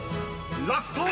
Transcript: ［ラスト！］